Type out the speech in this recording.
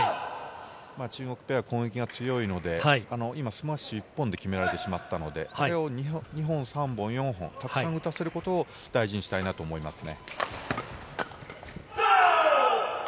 中国ペアは攻撃が強いので今はスマッシュ一本で決められてしまったので、あれを２本、３本、４本とたくさん打たせることを大事にしたいなと思いますね。